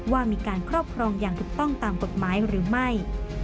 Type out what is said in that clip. ว่ามีการครอบครองอย่างถูกต้องตามกฎหมายหรือไม่